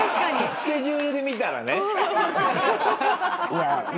スケジュールで見たらね。